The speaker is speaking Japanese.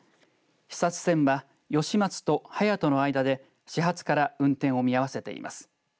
肥薩線は吉松と隼人の間で始発から運転を見合わせています。